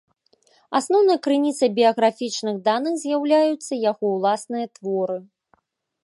Асноўнай крыніцай біяграфічных даных з'яўляюцца яго ўласныя творы.